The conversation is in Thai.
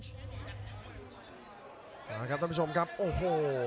ครับท่านผู้ชมครับโอ้โห